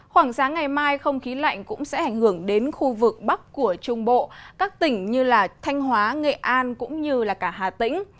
khoảng sáng ngày mai không khí lạnh cũng sẽ ảnh hưởng đến khu vực bắc của trung bộ các tỉnh như thanh hóa nghệ an cũng như cả hà tĩnh